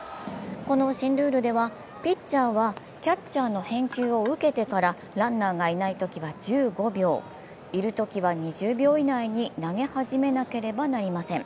この新ルールではピッチャーはキャッチャーの返球を受けてからランナーがいないときは１５秒、いるときは２０秒以内に投げ始めなければなりません。